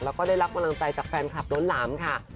แล้วก็ได้รับกำลังใจจากแฟนคลับล้นหลามค่ะ